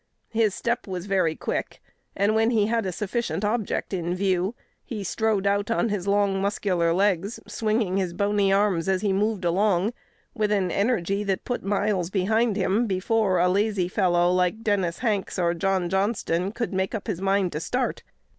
His step was very quick; and, when he had a sufficient object in view, he strode out on his long, muscular legs, swinging his bony arms as he moved along, with an energy that put miles behind him before a lazy fellow like Dennis Hanks or John Johnston could make up his mind to start.